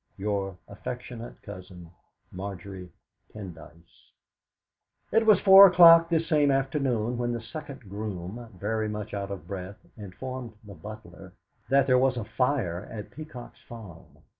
"Your affectionate cousin, "MARGERY PENDYCE." It was four o'clock this same afternoon when the second groom, very much out of breath, informed the butler that there was a fire at Peacock's farm.